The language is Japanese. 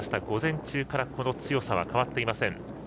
午前中からこの強さは変わっていません。